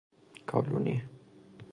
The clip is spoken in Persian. کالونی